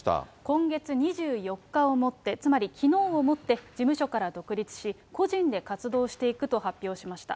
今月２４日をもって、つまりきのうをもって、事務所から独立し、個人で活動していくと発表しました。